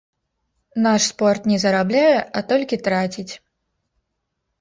Наш спорт не зарабляе, а толькі траціць.